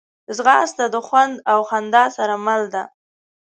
ځغاسته د خوند او خندا سره مل ده